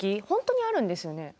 本当にあるんですよね。